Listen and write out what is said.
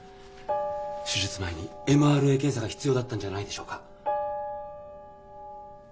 手術前にＭＲＡ検査が必要だったんじゃないでしょうか？